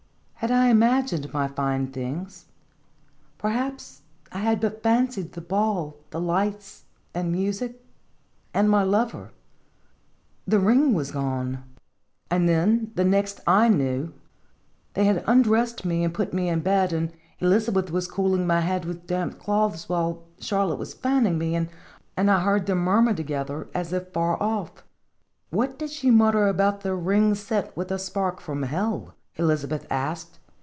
Had I imagined my fine things? Perhaps I had but fancied the ball, the lights, and music, and my lover ! The ring was gone. And then the next I knew, they had un dressed me and put me in bed, and Elizabeth was cooling my head with damp cloths, while Charlotte was fanning me, and I heard them murmur together, as if far off. "What did she mutter about a ring set with a spark from hell? " Elizabeth asked.